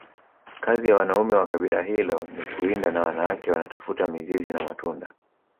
kazi ya Wanaume wa kabila hilo ni kuwinda na wanawake wanatafuta mizizi na matunda